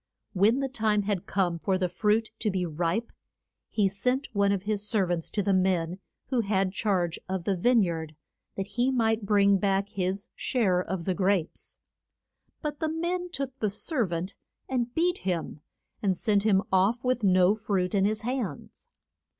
When the time had come for the fruit to be ripe he sent one of his ser vants to the men who had charge of the vine yard, that he might bring back his share of the grapes. But the men took the ser vant and beat him, and sent him off with no fruit in his hands.